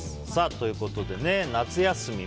ということで、夏休み。